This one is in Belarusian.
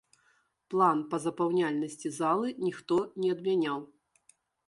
План па запаўняльнасці залы ніхто не адмяняў.